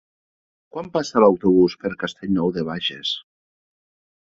Quan passa l'autobús per Castellnou de Bages?